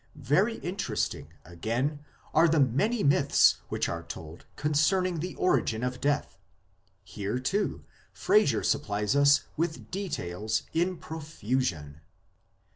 1 Very interesting, again, are the many myths which are told concerning the origin of death ; here, too, Frazer supplies us with details in profusion.